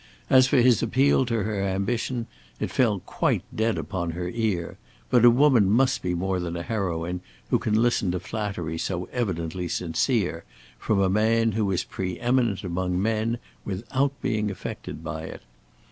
As for his appeal to her ambition, it fell quite dead upon her ear, but a woman must be more than a heroine who can listen to flattery so evidently sincere, from a man who is pre eminent among men, without being affected by it.